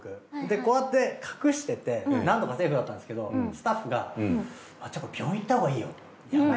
こうやって隠しててなんとかセーフだったんですけどスタッフが「まっちゃんこれ病院行ったほうがいいよ」って。